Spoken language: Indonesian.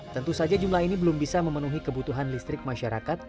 tentu saja jumlah ini belum bisa memenuhi kebutuhan listrik masyarakat